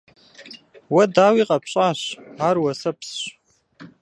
Уэ, дауи, къэпщӀащ — ар уэсэпсщ.